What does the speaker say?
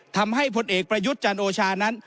ทำให้พนเอกประยุจจันโอชานั้น